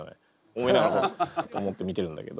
思いながらと思って見てるんだけど。